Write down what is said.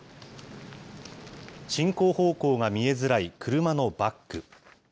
進行方向が見えづらい車のバック。